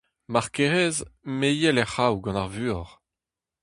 Mar kerez, me 'yel er c'hraou gant ar vuoc'h.